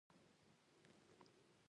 ایا زه باید شکر وکړم؟